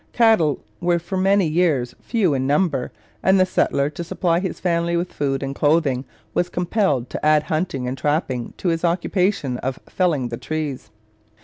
Cattle were for many years few in number, and the settler, to supply his family with food and clothing, was compelled to add hunting and trapping to his occupation of felling the trees.